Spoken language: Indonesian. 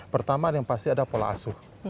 pertama yang pasti ada pola asuh